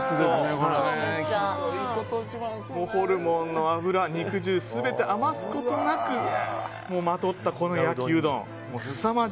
ホルモンの脂、肉汁全て余すことなくまとった、この焼きうどん。